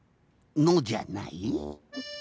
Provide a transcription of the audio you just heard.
「の」じゃない？